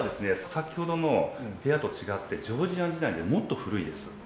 先ほどの部屋と違ってジョージアン時代でもっと古いです。